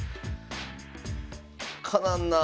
かなわんなあ！